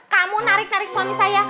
kamu narik narik suami saya